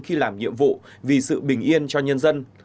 khi làm nhiệm vụ vì sự bình yên cho nhân dân